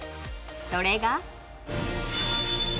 それが。